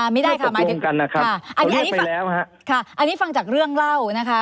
ไม่ได้ครับอันนี้ฟังจากเรื่องเล่านะคะ